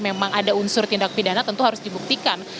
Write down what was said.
memang ada unsur tindak pidana tentu harus dibuktikan